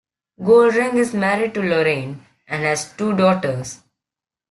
Goldring is married to Lorraine and has two daughters.